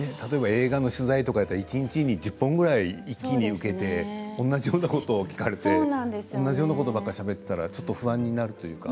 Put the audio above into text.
映画の取材だったら例えば一日１０本ぐらい受けて同じようなことを聞かれて同じようなことばっかりしゃべっていたら不安になるというか。